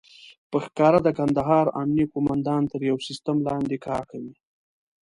په ښکاره د کندهار امنيه قوماندان تر يو سيستم لاندې کار کوي.